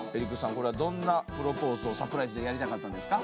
これはどんなプロポーズをサプライズでやりたかったんですか？